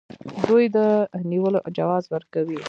دوی د نیولو جواز ورکوي.